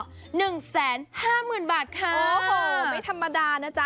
หนึ่งแสนห้าหมื่นบาทค่ะโอ้โหไม่ธรรมดานะจ๊ะ